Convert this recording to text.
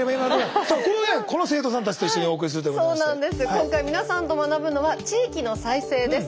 今回皆さんと学ぶのは地域の再生です。